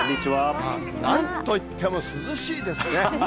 なんと言っても涼しいですね。